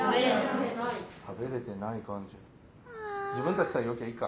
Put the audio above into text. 食べれてない感じ。